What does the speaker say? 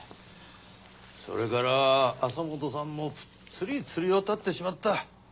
それから朝本さんもぷっつり釣りを断ってしまった。